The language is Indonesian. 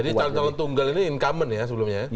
jadi calon calon tunggal ini incumbent ya sebelumnya ya